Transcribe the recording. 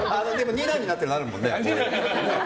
２段になってるのあるもんね。